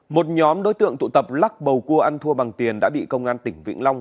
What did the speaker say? một nhóm đối tượng tụ tập lắc bầu cua ăn thua bằng tiền đã bị công an tỉnh vĩnh long